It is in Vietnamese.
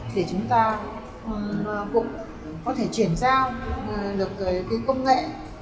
để chúng ta cũng có thể chuyển giao được cái công nghệ